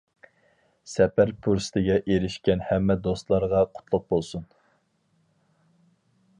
سەپەر پۇرسىتىگە ئېرىشكەن ھەممە دوستلارغا قۇتلۇق بولسۇن!